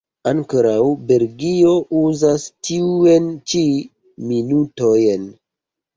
Ankaŭ Belgio uzas tiujn ĉi minutojn.